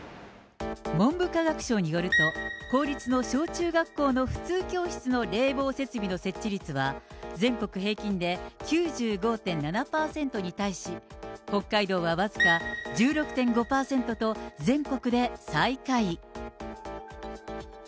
文部科学省によると、公立の小中学校の普通教室の冷房設備の設置率は、全国平均で９５．７％に対し、北海道は僅か１６．５％と、全国で最下位。